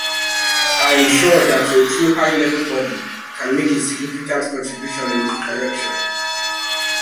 I am sure that a true high-level body can make a significant contribution in this direction.